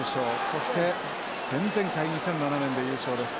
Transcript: そして前々回２００７年で優勝です。